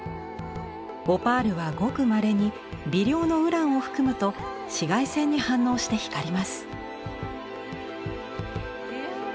オパールはごくまれに微量のウランを含むと紫外線に反応して光ります。